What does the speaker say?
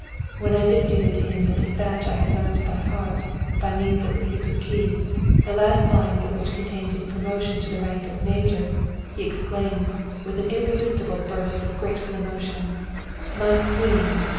When I dictated to him the despatch I had learnt by heart, by means of the secret key, the last lines of which contained his promotion to the rank of major, he exclaimed, with an irresistible burst of grateful emotion: 'My Queen!